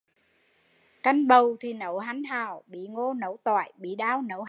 Canh bầu thì nấu hanh hào, bí ngô nấu tỏi, bí đao nấu hành